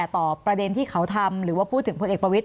ประเด็นที่เขาทำหรือว่าพูดถึงพลเอกประวิทย